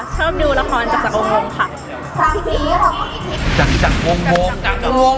ชอบดูละครจากองค์ค่ะ